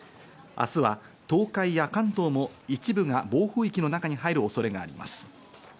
明日は東海や関東も一部が暴風域の中に入る恐れがあります。